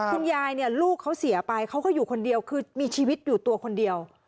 คุณยายเนี่ยลูกเขาเสียไปเขาก็อยู่คนเดียวคือมีชีวิตอยู่ตัวคนเดียว